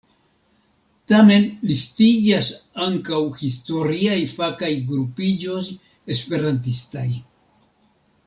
Tamen listiĝas ankaŭ historiaj fakaj grupiĝoj esperantistaj.